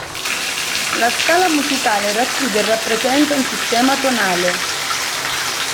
La scala musicale racchiude e rappresenta un sistema tonale.